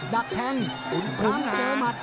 ดับแทนขุนหาญ